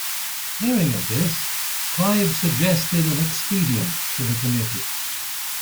Hearing of this, Clive suggested an expedient to the Committee.